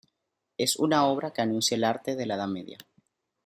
Es una obra que anuncia el arte de la Edad Media.